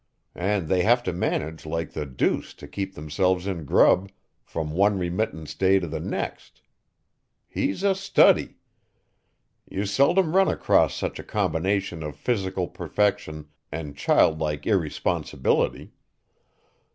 And they have to manage like the deuce to keep themselves in grub from one remittance day to the next. He's a study. You seldom run across such a combination of physical perfection and child like irresponsibility.